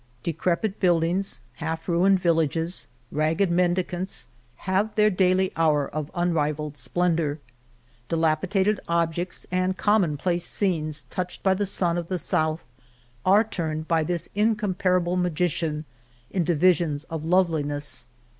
Decrepit buildings, half ruined villages, ragged mendicants, have their daily hour of unrivalled splendor. Di lapidated objects and commonplace scenes touched by the sun of the south are turned by this incomparable magician into visions of loveliness.